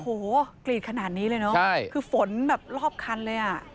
โอ้โหกรีดขนาดนี้เลยเนอะคือฝนแบบรอบคันเลยอ่ะ